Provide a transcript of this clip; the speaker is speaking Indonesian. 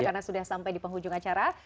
karena sudah sampai di penghujung acara